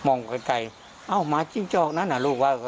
องไกลเอ้าหมาจิ้งจอกนั้นอ่ะลูกว่า